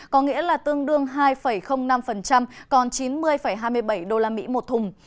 có nghĩa là tương đương hai năm còn chín mươi hai mươi bảy usd một thùng